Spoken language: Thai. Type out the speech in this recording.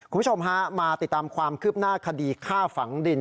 คุณผู้ชมฮะมาติดตามความคืบหน้าคดีฆ่าฝังดิน